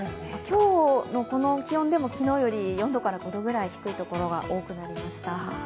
今日のこの気温でも、昨日から４度から５度ぐらい低いところが多くなりました。